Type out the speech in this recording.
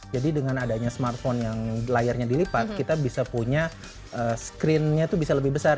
jadi dengan adanya smartphone yang layarnya dilipat kita bisa punya screennya itu bisa lebih besar